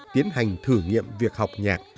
tiến hành thử nghiệm việc học nhạc